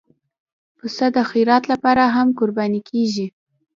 پسه د خیرات لپاره هم قرباني کېږي.